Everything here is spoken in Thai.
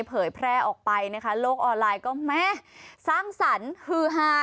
เผยแพร่ออกไปนะคะโลกออนไลน์ก็แม่สร้างสรรค์ฮือฮา